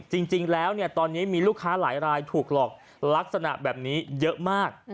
จริงแล้วตอนนี้มีลูกค้าหลายรายถูกหลอกลักษณะแบบนี้เยอะมาก